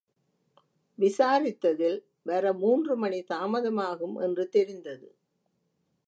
விசாரித்ததில், வர மூன்று மணி தாமதமாகும் என்று தெரிந்தது.